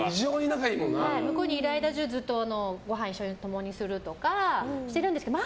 向こうにいる間中ずっとごはんを共にするとかしてたんですけど